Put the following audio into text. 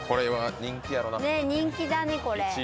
人気だねこれ。